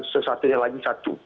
sesatunya lagi satu